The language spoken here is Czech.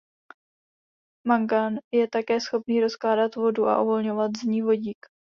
Mangan je také schopný rozkládat vodu a uvolňovat z ní vodík.